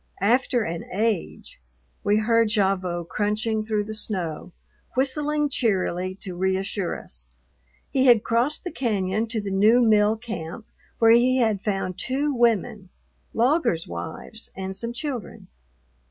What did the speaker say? After an age, we heard Gavotte crunching through the snow, whistling cheerily to reassure us. He had crossed the cañon to the new mill camp, where he had found two women, loggers' wives, and some children.